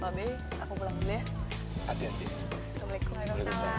pak be aku pulang dulu ya